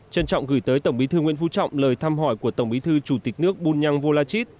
trân trọng gửi tới tổng bí thư nguyễn phú trọng lời thăm hỏi của tổng bí thư chủ tịch nước bunyang volachit